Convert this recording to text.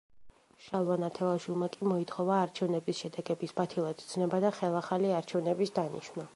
შალვა ნათელაშვილმა კი მოითხოვა არჩევნების შედეგების ბათილად ცნობა და ხელახალი არჩევნების დანიშვნა.